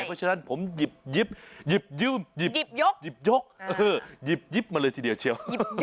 เพราะฉะนั้นผมหยิบยิบยืมหยิบยกหยิบยิบหยิบยิบล่ะหยิบแยก